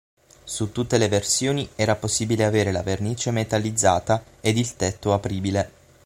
Su tutte le versioni era possibile avere la vernice metallizzata ed il tetto apribile.